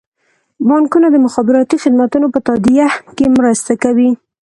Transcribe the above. بانکونه د مخابراتي خدمتونو په تادیه کې مرسته کوي.